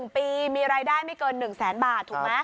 ๑ปีมีรายได้ไม่เกิน๑แสนบาทถูกไหม